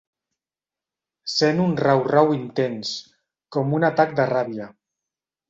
Sent un rau-rau intens, com un atac de ràbia.